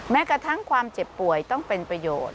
แม้กระทั่งความเจ็บป่วยต้องเป็นประโยชน์